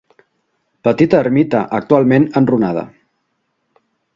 Petita ermita actualment enrunada.